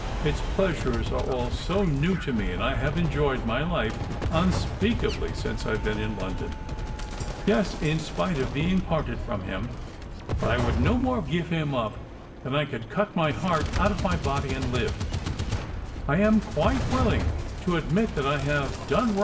Its pleasures are all so new to me, and I have enjoyed my life unspeakably since I've been in London, yes, in spite of being parted from him. But I could no mora give him up than I could cut my heart out of my body, and live. I aoi quite willing to admit that I have done Strangers and Pilgrims.